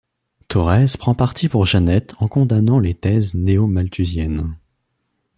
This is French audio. Thorez prend parti pour Jeannette en condamnant les thèses néo-malthusiennes.